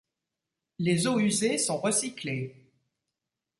Les eaux usées sont recyclées.